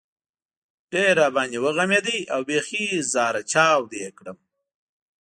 ډېر را باندې وغمېد او بېخي زهره چاودی کړم.